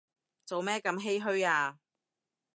做咩咁唏噓啊